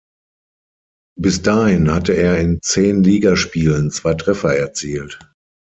Bis dahin hatte er in zehn Ligaspielen zwei Treffer erzielt.